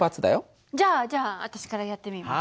じゃあじゃあ私からやってみます。